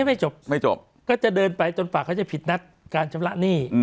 ไม่จบไม่จบก็จะเดินไปจนฝากเขาจะผิดนัดการชำระหนี้